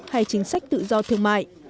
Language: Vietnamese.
hay chính sách tự do thương mại